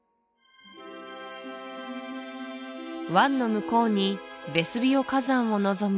湾の向こうにヴェスヴィオ火山を望む